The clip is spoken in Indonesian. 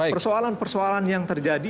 persoalan persoalan yang terjadi